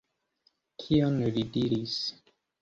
Kion li diris?